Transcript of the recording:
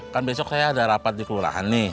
kan besok saya ada rapat di kelurahan nih